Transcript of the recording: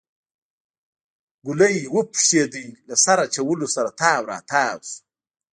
ګلی وپشېده له سر اچولو سره تاو راتاو شو.